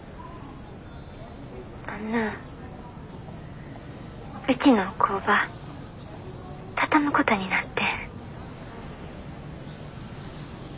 あんなうちの工場畳むことになってん。